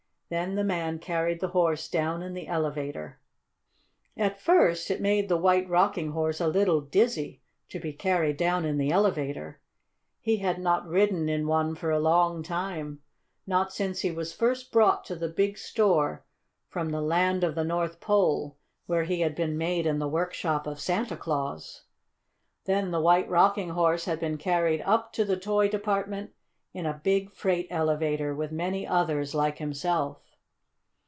Then the man carried the Horse down in the elevator. At first it made the White Rocking Horse a little dizzy to be carried down in the elevator. He had not ridden in one for a long time not since he was first brought to the big store from the Land of the North Pole, where he had been made in the work shop of Santa Claus. Then the White Rocking Horse had been carried up to the toy department in a big freight elevator, with many others like himself.